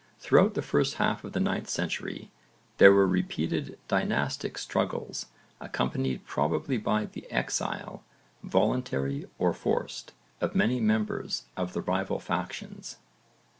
Throughout the first half of the 9th century there were repeated dynastic struggles accompanied probably by the exile, voluntary or forced, of many members of the rival factions.